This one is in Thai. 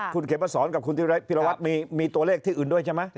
คุณเขมสอนกับคุณพิรวัตรมีตัวเลขที่อื่นด้วยใช่ไหม